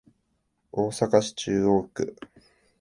大阪市中央区